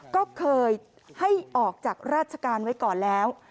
ก็เคยให้ออกจากราชการไว้ก่อนแล้ว